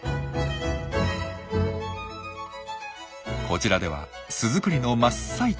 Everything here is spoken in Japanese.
こちらでは巣作りの真っ最中。